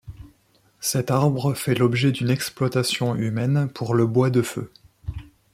Cet arbre fait l'objet d'une exploitation humaine pour le bois de feu.